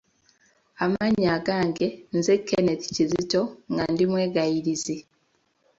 Amannya gange nze Kenneth Kizito nga ndi Mwegayirizi